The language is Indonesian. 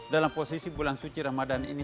dalam posisi bulan suci ramadan ini